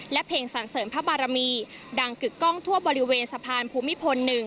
และเพลงสรรเสริมพระบารมีดังกึกกล้องทั่วบริเวณสะพานภูมิพล๑